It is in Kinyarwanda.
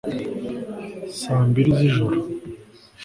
Saa mbiri z ijoro